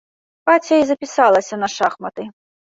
Каця і запісалася на шахматы.